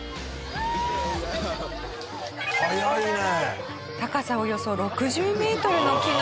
速いね！